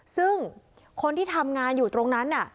ซึ่งคนที่ทำงานอยู่ตรงนั้น